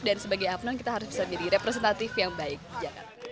dan sebagai abnon kita harus bisa jadi representatif yang baik di jakarta